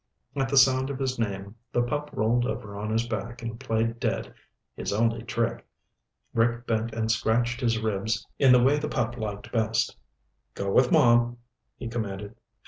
At the sound of his name the pup rolled over on his back and played dead, his only trick. Rick bent and scratched his ribs in the way the pup liked best. "Go with Mom," he commanded.